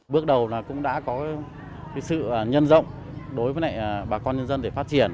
bước đầu là cũng đã có sự nhân rộng đối với bà con nhân dân để phát triển